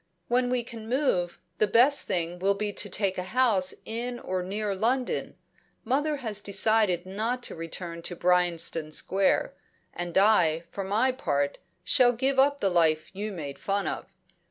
"When we can move, the best thing will be to take a house in or near London. Mother has decided not to return to Bryanston Square, and I, for my part, shall give up the life you made fun of.